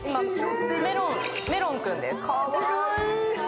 メロンくんです。